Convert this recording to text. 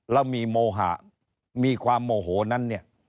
เรามีโมหะมีความโมโหนั้น